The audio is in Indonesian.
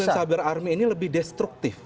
cyber army ini lebih destruktif